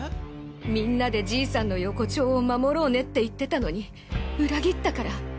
みんなでじいさんの横町を守ろうねって言ってたのに裏切ったから。